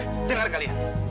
eh dengar kalian